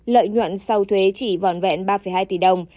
lợi nhuận sau thuế chỉ vòn vẹn ba hai tỷ đồng